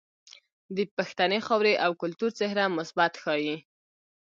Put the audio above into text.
د پښتنې خاورې او کلتور څهره مثبت ښائي.